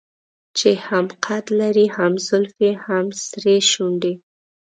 چې هم قد لري هم زلفې هم سرې شونډې.